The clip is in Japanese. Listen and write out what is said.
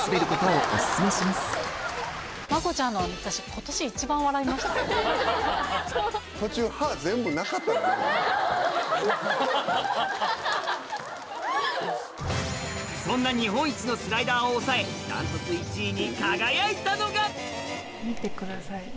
そしてそんな日本一のスライダーを抑え断トツ１位に輝いたのが見てください